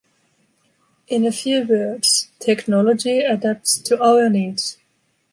In a few words, technology adapts to our needs.